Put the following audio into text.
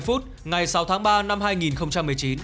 chín h ba mươi phút ngày sáu tháng ba năm hai nghìn một mươi chín